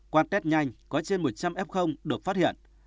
quan tết nhanh có trên một trăm linh f được phát hiện